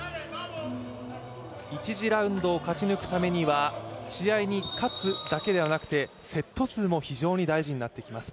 １次ラウンドを勝ち抜くためには試合に勝つだけではなくてセット数も非常に大事になってきます。